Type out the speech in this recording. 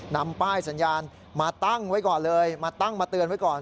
นำป้ายสัญญาณมาตั้งไว้ก่อนเลยมาตั้งมาเตือนไว้ก่อน